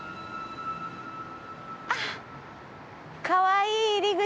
あっかわいい入り口。